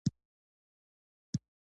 د پرنسېپ معنا ده برابرو ترمنځ لومړی